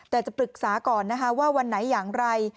แต่จะปรึกษาก่อนนะคะว่าวันไหนอย่างไร